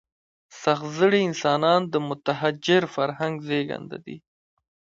سخت زړي انسانان د متحجر فرهنګ زېږنده دي.